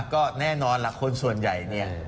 ก็แน่นอนล่ะคนส่วนใหญ่เนี่ย